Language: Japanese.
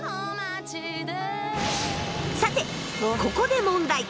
さてここで問題！